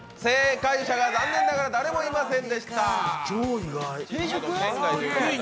正解者が残念ながら誰もいませんでした。